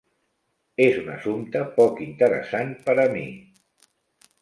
És un assumpte poc interessant per a mi.